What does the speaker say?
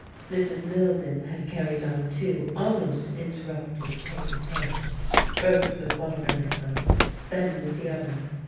Mrs. Milden had carried on two almost interrupted tete a tetes, first with one of her neighbours, then with the other.